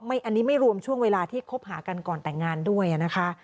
อันนี้ไม่รวมช่วงเวลาที่คบหากันก่อนแต่งงานด้วยนะคะ